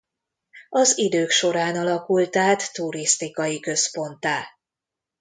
Az idők során alakult át turisztikai központtá.